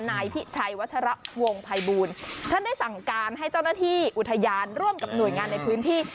นายพิชัยวัชระวงภัยบูลท่านได้สั่งการให้เจ้าหน้าที่อุทยานร่วมกับหน่วยงานในพื้นที่